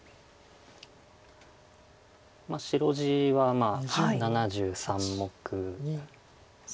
白地は７３目。